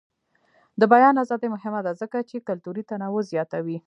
د بیان ازادي مهمه ده ځکه چې کلتوري تنوع زیاتوي.